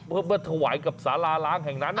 เพื่อถวายกับสาราล้างแห่งนั้น